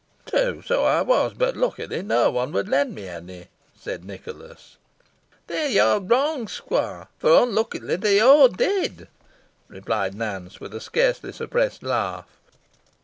"True, so I was. But, luckily, no one would lend me any," said Nicholas. "There yo're wrong, squoire fo' unluckily they aw did," replied Nance, with a scarcely suppressed laugh.